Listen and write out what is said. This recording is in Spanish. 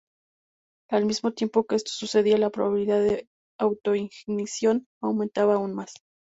Al mismo tiempo que esto sucedía, la probabilidad de autoignición aumentaba aún más.